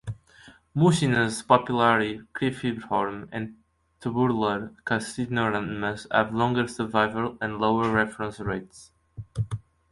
Mucinous, papillary, cribriform, and tubular carcinomas have longer survival, and lower recurrence rates.